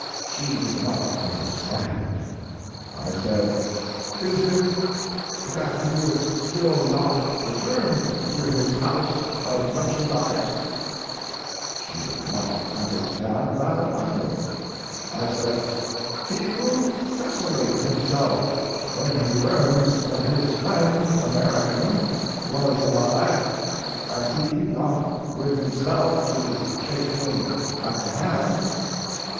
" She did not under stand. I said, " Is it that he is still not 154 Mark Twain returned to his house of merchandise ?" She did not understand that either. I said, "He will desolate himself when he learns that his friend American was ar rived, and he not with himself to shake him at the hand."